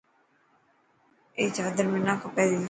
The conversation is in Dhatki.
اي چادر منا کپي تي.